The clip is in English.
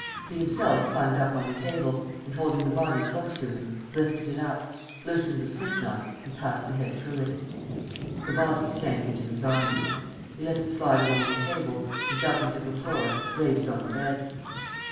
He himself climbed up on the table and, holding the body close to him, lifted it up, loosened the slip knot and passed the head through it. The body sank into his arms. He let it slide along the table and, jumping to the floor, laid it on the bed.